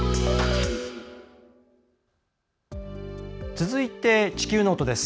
続いて「地球ノート」です。